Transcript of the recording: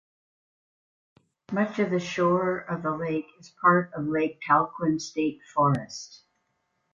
Much of the shore of the lake is part of Lake Talquin State Forest.